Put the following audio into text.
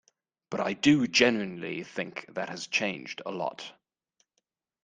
But I do genuinely think that has changed, a lot.